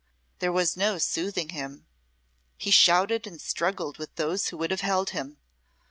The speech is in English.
There was no soothing him. He shouted, and struggled with those who would have held him.